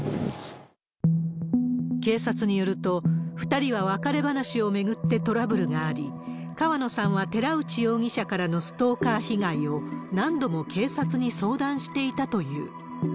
警察によると、２人は別れ話を巡ってトラブルがあり、川野さんは寺内容疑者からのストーカー被害を、何度も警察に相談していたという。